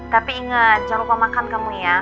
tapi ingat jangan lupa makan kamu ya